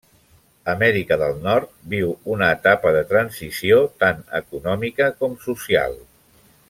Amèrica del Nord viu una etapa de transició, tant econòmica com social.